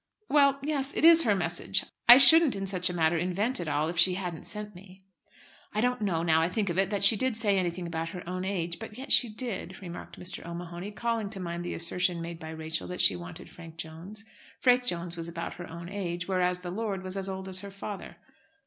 "Well; yes. It is her message. I shouldn't in such a matter invent it all if she hadn't sent me. I don't know, now I think of it, that she did say anything about her own age. But yet she did," remarked Mr. O'Mahony, calling to mind the assertion made by Rachel that she wanted Frank Jones. Frank Jones was about her own age, whereas the lord was as old as her father.